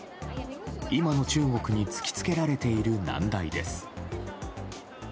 今の中国に突きつけられている難題です。